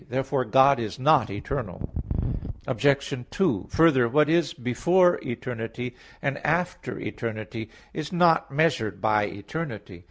Therefore God is not eternal. Obj. 2: Further, what is before eternity, and after eternity, is not measured by eternity.